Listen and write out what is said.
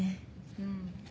うん。